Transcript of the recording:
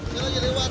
sekarang aja lewat